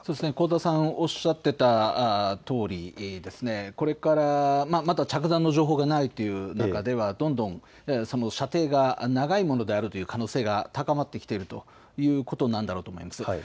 香田さんおっしゃっていたとおりまだ着弾の情報がないという中ではどんどん射程が長いものであるという可能性が高まってきているということなんだろうと思います。